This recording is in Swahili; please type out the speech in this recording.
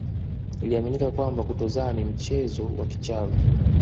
Iliaminika kwamba kutozaa ni mchezo wa kichawi